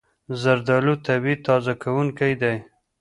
زردالو طبیعي تازه کوونکی دی.